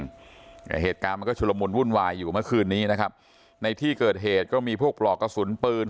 เหตุการณ์มันก็ชุลมุนวุ่นวายอยู่เมื่อคืนนี้นะครับในที่เกิดเหตุก็มีพวกปลอกกระสุนปืน